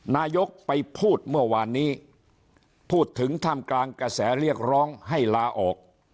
นายกไปพูดเมื่อวานนี้พูดถึงท่ามกลางกระแสเรียกร้องให้ลาออก